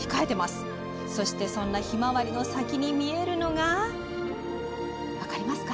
そして、そんなひまわりの先に見えるのが。